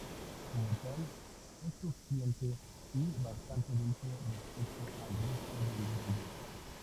Como tal, es crujiente y bastante dulce respecto al resto del bollo.